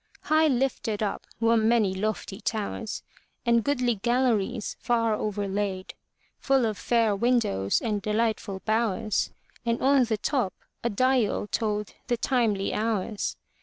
High lifted up were many lofty towers And goodly galleries far overlaid. Full of fair windows and delightful bowers. And on the top a dial told the timely hours.